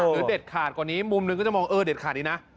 เด็ดขาดกว่านี้มุมหนึ่งก็จะมองเออเด็ดขาดอีกนะ